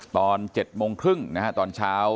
ตอน๗โมงครึ่งตอนเช้า